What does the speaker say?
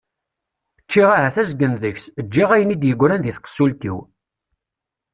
Ččiɣ ahat azgen deg-s, ǧǧiɣ ayen i d-yegran deg tqessult-iw.